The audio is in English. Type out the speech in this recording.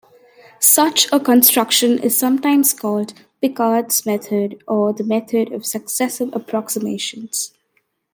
Such a construction is sometimes called "Picard's method" or "the method of successive approximations".